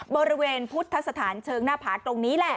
บริเวณพุทธศาสตร์สถานเชิงนาผาตรงนี้แหละ